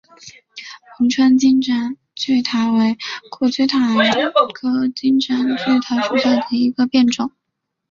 汶川金盏苣苔为苦苣苔科金盏苣苔属下的一个变种。